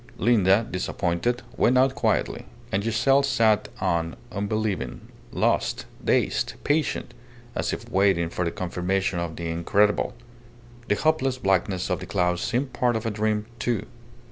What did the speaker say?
Linda, disappointed, went out quietly; and Giselle sat on unbelieving, lost, dazed, patient, as if waiting for the confirmation of the incredible. The hopeless blackness of the clouds seemed part of a dream, too.